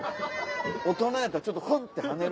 大人やったらちょっとクンってはねる。